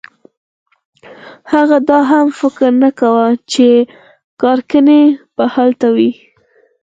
هغه دا فکر هم نه کاوه چې کارنګي به هلته وي.